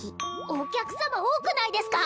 お客様多くないですか？